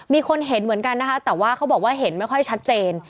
มีคนเห็นเหมือนกันนะคะแต่ว่าเขาบอกว่าเห็นไม่ค่อยชัดเจน